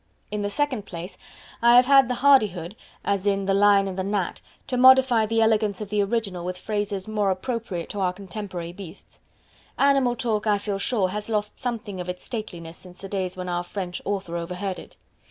In the second place I have had the hardihood as in "The Lion and The Gnat" to modify the elegance of the original with phrases more appropriate to our contemporary beasts. Animal talk, I feel sure, has lost something of its stateliness since the days when our French author overheard it.